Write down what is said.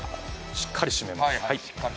しっかり閉めます。